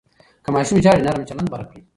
که ماشوم ژاړي، نرم چلند غوره کړئ.